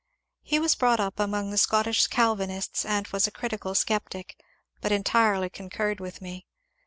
He was brought up among the Scotch Calvinists and was a critical sceptic, but entirely concurred with me.